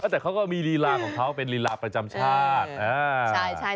แต่เขาก็มีลีลาของเขาเป็นลีลาประจำชาติ